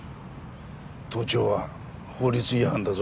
盗聴は法律違反だぞ。